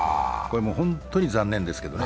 本当に残念ですけどね。